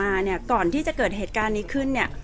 แต่ว่าสามีด้วยคือเราอยู่บ้านเดิมแต่ว่าสามีด้วยคือเราอยู่บ้านเดิม